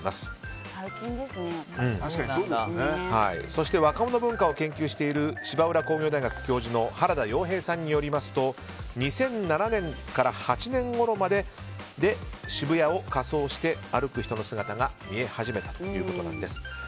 そして若者文化を研究している芝浦工業大学教授の原田曜平さんによりますと２００７年から２００８年ごろ渋谷を仮装して歩く人の姿が見え始めたということです。